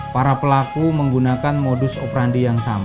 para pelaku menggunakan modus operandi yang sama